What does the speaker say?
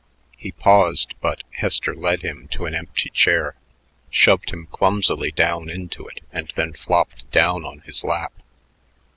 He paused, but Hester led him to an empty chair, shoved him clumsily down into it, and then flopped down on his lap.